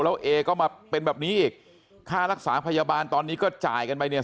แล้วเอก็มาเป็นแบบนี้อีกค่ารักษาพยาบาลตอนนี้ก็จ่ายกันไปเนี่ย